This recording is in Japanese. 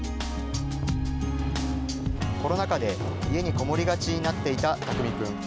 コロナ禍で家にこもりがちになっていた巧君。